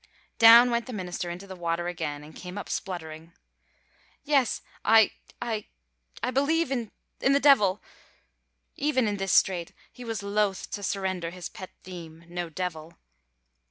Down went the minister into the water again, and came up spluttering, "Yes, I I I believe in the devil." Even in this strait he was loath to surrender his pet theme no devil.